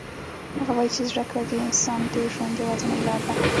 هغه وایي چې زده کړه د انسان د ژوند یوازینی لار ده